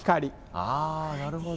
あなるほど。